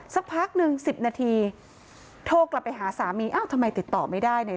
สักพักหนึ่งสิบนาทีโทรกลับไปหาสามีอ้าวทำไมติดต่อไม่ได้เนี่ย